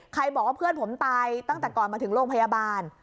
บอกว่าเพื่อนผมตายตั้งแต่ก่อนมาถึงโรงพยาบาล